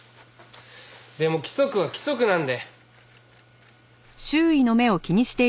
でも規則は規則なんで。